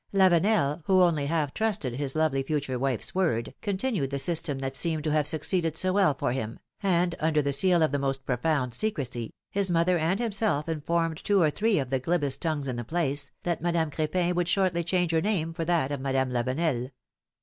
Lavenel, who only half trusted his lovely future wife's word, continued the system that seemed to have succeeded so well for him, and, under the seal of the most profound secrecy, his mother and himself informed two or three of the glibest tongues in the place, that Madame Cr^pin would shortly change her name for that of Madame Lavenel.